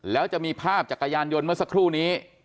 แล้วจะมีภาพจักรยานยนต์เมื่อสักครู่นี้